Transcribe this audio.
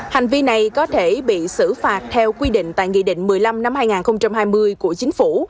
hành vi này có thể bị xử phạt theo quy định tại nghị định một mươi năm năm hai nghìn hai mươi của chính phủ